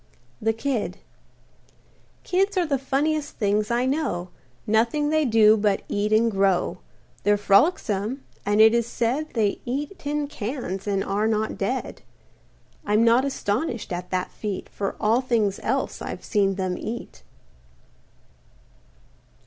THE KID Kids are the funniest things I know; Nothing they do but eat and grow. They're frolicsome, and it is said They eat tin cans and are not dead. I'm not astonished at that feat, For all things else I've seen them eat.